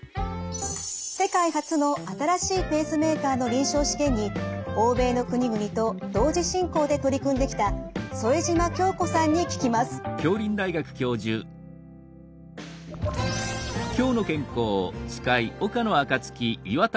世界初の新しいペースメーカーの臨床試験に欧米の国々と同時進行で取り組んできた副島京子さんに聞きます。